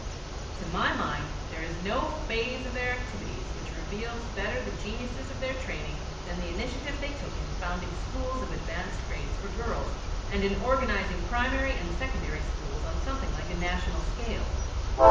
To my mind there is no phase of their activities which reveals better the genuineness of their training than the initiative they took in founding schools of advanced grades for girls, and in organizing primary and secondary schools on something like a national scale.